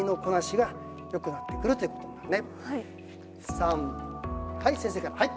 さんはい先生からはい。